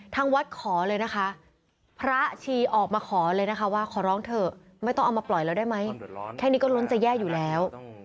ทางวัดขอเลยนะคะพระชีออกมาขอเลยนะคะว่าขอร้องเถอะไม่ต้องเอามาปล่อยแล้วได้ไหมแค่นี้ก็ล้นจะแย่อยู่แล้ว